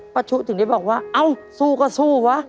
ชุถึงได้บอกว่าเอ้าสู้ก็สู้วะ